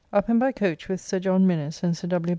Up and by coach with Sir John Minnes and Sir W.